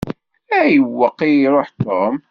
Ayweq i iṛuḥ Tom?